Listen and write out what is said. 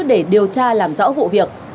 để điều tra làm rõ vụ việc